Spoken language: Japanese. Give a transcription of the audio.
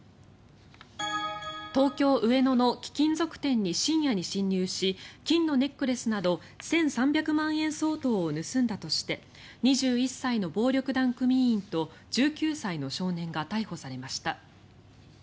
東京・上野の貴金属店に深夜に侵入し金のネックレスなど１３００万円相当を盗んだとして２１歳の暴力団組員と１９歳の少年が逮捕されました。